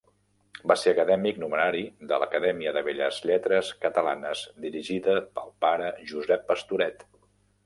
Va ser acadèmic numerari de l'Acadèmia de Belles Lletres Catalanes dirigida pel pare Josep Pastoret.